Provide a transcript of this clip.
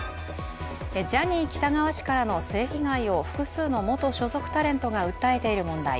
ジャニー喜多川氏からの性被害を複数の元所属タレントが訴えている問題。